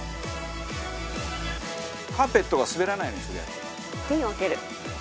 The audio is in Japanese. カーペットが滑らないようにするやつ。